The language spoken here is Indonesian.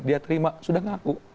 dia terima sudah mengaku